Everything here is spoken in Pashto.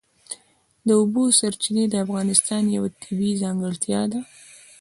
د اوبو سرچینې د افغانستان یوه طبیعي ځانګړتیا ده.